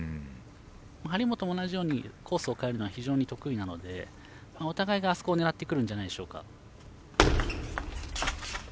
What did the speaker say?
張本も同じようにコースを変えるのは非常に得意なのでお互いがあそこを狙ってくるんじゃないでしょうか。